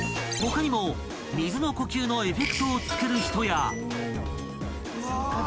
［他にも水の呼吸のエフェクトを作る人や］